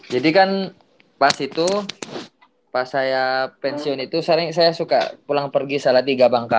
jadi kan pas itu pas saya pensiun itu sering saya suka pulang pergi salatiga bangka